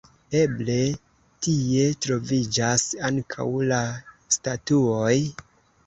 Eble tie troviĝas ankaŭ la statuoj?